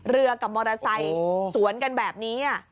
กับมอเตอร์ไซค์สวนกันแบบนี้